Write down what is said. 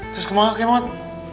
terus kemana kemot